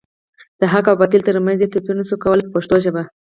د حق او باطل تر منځ یې توپیر نشو کولای په پښتو ژبه.